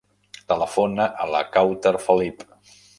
Telefona a la Kawtar Felip.